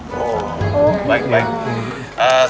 terima kasih atas penjelasan